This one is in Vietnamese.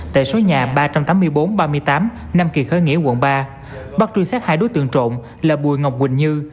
tại số nhà ba trăm tám mươi bốn ba mươi tám nam kỳ khởi nghĩa quận ba bác truy sát hai đối tượng trộn là bùi ngọc quỳnh như